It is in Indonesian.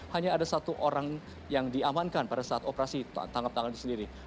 hanya ada satu orang yang diamankan pada saat operasi tangkap tangan itu sendiri